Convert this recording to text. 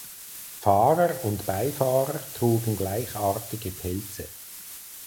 Fahrer und Beifahrer trugen gleichartige Pelze.